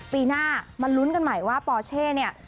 ปีหน้ามาลุ้นกันใหม่ว่าปอเช่เนี่ย